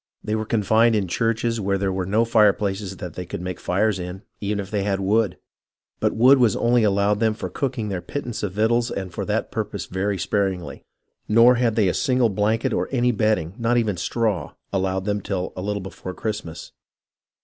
They were confined in churches where there were no fireplaces that they could make fires in, even if they had wood. But wood was only allowed them for cooking their pittance of victuals and for that purpose very sparingly. ... Nor had they a single blanket or any bedding, not even straw, allowed them till a little before Christmas.